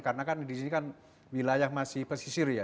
karena kan di sini kan wilayah masih pesisir ya